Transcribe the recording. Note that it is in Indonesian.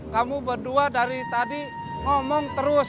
kamu berdua dari tadi ngomong terus